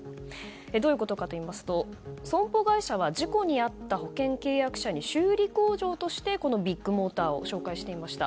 どういうことかといいますと損保会社は事故に遭った保険契約者に修理工場としてビッグモーターを紹介していました。